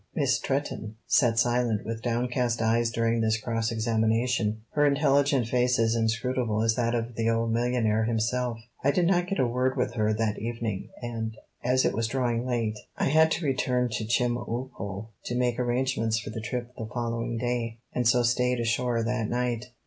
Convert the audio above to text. Miss Stretton sat silent with downcast eyes during this cross examination, her intelligent face as inscrutable as that of the old millionaire himself. I did not get a word with her that evening, and, as it was drawing late, I had to return to Chemulpo to make arrangements for the trip the following day, and so stayed ashore that night.